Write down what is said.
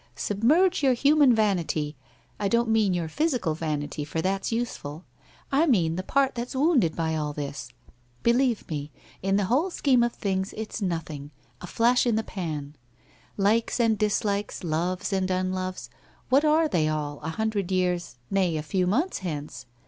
Submerge your human vanity. I don't mean your physical vanity for that's useful. I mean the part that's wounded by all this. Believe me, in the whole scheme of things, it's nothing — a flash in the pan. Likes and dislikes, loves and unloves, what are they all, a hun dred years — nay a few months hence?